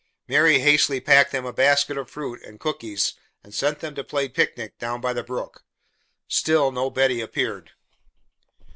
Mary hastily packed them a basket of fruit and cookies and sent them to play picnic down by the brook. Still no Betty appeared.